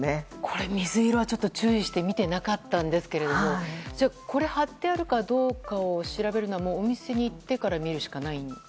水色はちょっと注意して見ていなかったんですが貼っているかどうかを調べるのはお店に行ってから見るしかないんですか。